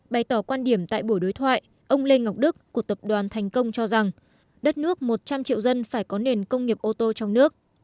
bày tỏ quan điểm tại buổi đối thoại ông lê ngọc đức của tập đoàn thành công cho rằng đất nước một trăm linh triệu dân phải có nền công nghiệp ô tô trong nước